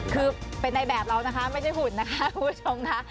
คือเป็นในแบบเรานะคะไม่ได้หุ่นนะคะคุณผู้ชมค่ะ